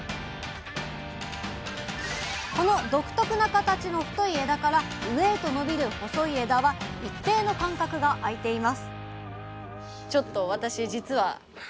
この独特な形の太い枝から上へと伸びる細い枝は一定の間隔があいています